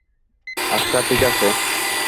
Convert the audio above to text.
আচ্ছা, ঠিকাছে।